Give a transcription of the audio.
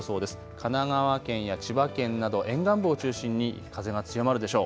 神奈川県や千葉県など沿岸部を中心に風が強まるでしょう。